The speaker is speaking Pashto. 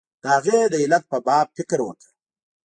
د هغې د علت په باب فکر وکړه.